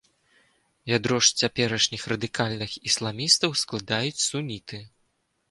Ядро ж цяперашніх радыкальных ісламістаў складаюць суніты.